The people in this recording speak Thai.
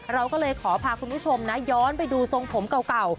เราก็เลยขอพาคุณผู้ชมนะย้อนไปดูทรงผมเก่า